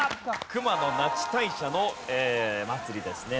熊野那智大社の祭りですね。